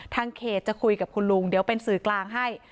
ทางเขตจะคุยกับคุณลุงเดี๋ยวเป็นสื่อกลางให้